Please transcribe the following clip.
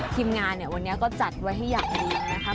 ทีมงานเนี่ยวันนี้ก็จัดไว้ให้อย่างดีนะคะ